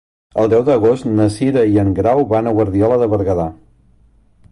El deu d'agost na Cira i en Grau van a Guardiola de Berguedà.